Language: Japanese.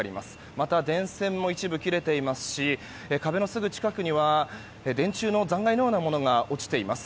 また、電線も一部で切れていますし壁のすぐ近くには電柱の残骸のようなものが落ちています。